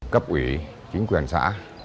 cấp ủy chính quyền xã